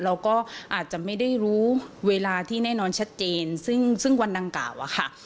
เราก็อาจจะไม่ได้รู้เวลาที่แน่นอนชัดเจนซึ่งซึ่งวันดังกล่าวอะค่ะ